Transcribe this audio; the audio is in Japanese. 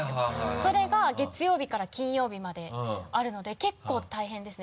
それが月曜日から金曜日まであるので結構大変ですね。